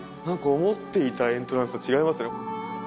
何か思っていたエントランスと違いますね。